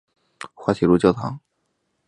滑铁卢教堂。